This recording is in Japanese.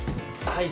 はい。